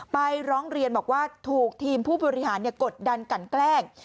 ร้องเรียนบอกว่าถูกทีมผู้บริหารกดดันกันแกล้ง